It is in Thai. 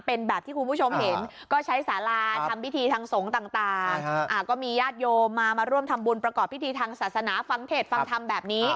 เป็นแบบที่คุณผู้ชมเห็นก็ใช้สาราทำพิธีทางสงฆ์ต่างก็มีญาติโยมมามาร่วมทำบุญประกอบพิธีทางศาสนาฟังเทศฟังธรรมแบบนี้